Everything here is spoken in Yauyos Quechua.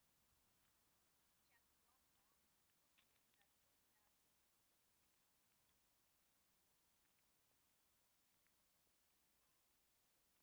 Chakwaqa ulluku tarpuyta pishqun.